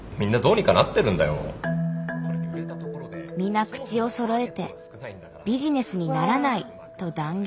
皆口をそろえて「ビジネスにならない」と断言。